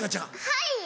はい。